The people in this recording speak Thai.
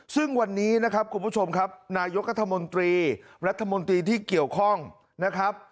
ซึ่งวันนี้นะครับคุณผู้ชมครับนายกรัฐมนตรีรัฐมนตรีที่เกี่ยวข้องนะครับ